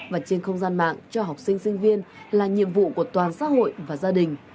và trên không gian mạng cho học sinh sinh viên là nhiệm vụ của toàn xã hội và gia đình